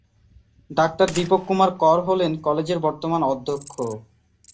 Doctor Dipak Kumar Kar হলেন কলেজের বর্তমান অধ্যক্ষ।